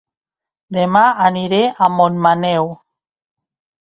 Dema aniré a Montmaneu